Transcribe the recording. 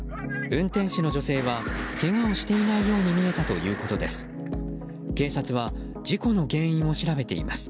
運転手の女性はけがをしていないように見えたということです。